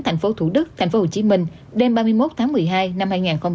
thành phố thủ đức thành phố hồ chí minh đêm ba mươi một tháng một mươi hai năm hai nghìn hai mươi một